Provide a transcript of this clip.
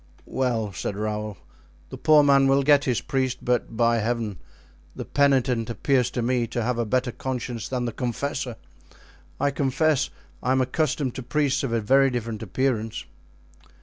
"Well," said Raoul, "the poor man will get his priest, but, by Heaven, the penitent appears to me to have a better conscience than the confessor. I confess I am accustomed to priests of a very different appearance."